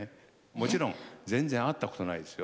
もちろん全然会ったことないですよ。